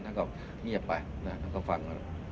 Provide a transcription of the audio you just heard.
ท่านก็เงียบไปท่านก็ฟังแล้ว